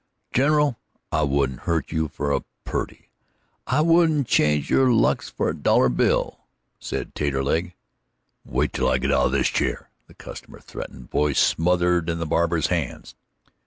"General, I wouldn't hurt you for a purty, I wouldn't change your looks for a dollar bill," said Taterleg. "Wait till I git out of this chair!" the customer threatened, voice smothered in the barber's hands.